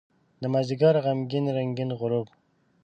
دمازدیګر غمګین رنګین غروب